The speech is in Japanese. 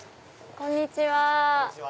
こんにちは。